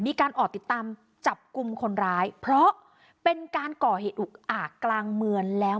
มีการออกติดตามจับกลุ่มคนร้ายเพราะเป็นการก่อเหตุอุกอาจกลางเมืองแล้ว